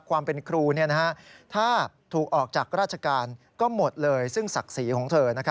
ความเป็นครูถ้าถูกออกจากราชการก็หมดเลยซึ่งศักดิ์ศรีของเธอ